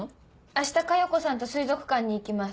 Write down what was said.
明日加代子さんと水族館に行きます。